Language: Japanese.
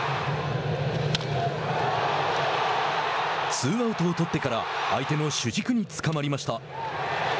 ツーアウトを取ってから相手の主軸につかまりました。